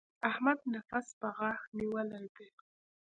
احمد نفس په غاښ نيولی دی.